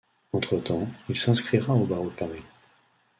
Entretemps, il s'inscrira au barreau de Paris.